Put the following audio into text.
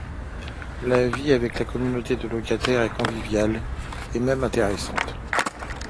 La vie avec la communauté de locataires est conviviale, et même intéressante.